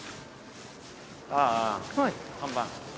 ああ看板。